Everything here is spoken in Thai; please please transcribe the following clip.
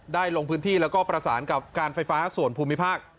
ลงพื้นที่แล้วก็ประสานกับการไฟฟ้าส่วนภูมิภาค